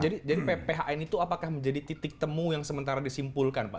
jadi pphn itu apakah menjadi titik temu yang sementara disimpulkan pak